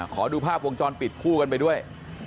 ขอดูภาพวงจรปิดคู่กันไปด้วย